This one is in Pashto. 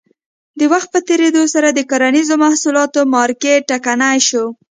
د وخت په تېرېدو سره د کرنیزو محصولاتو مارکېټ ټکنی شو.